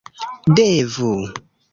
devu